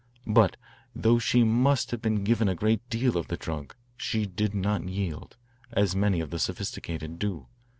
But, though she must have been given a great deal of the drug, she did not yield, as many of the sophisticated do.